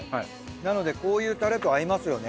なのでこういうタレと合いますよね。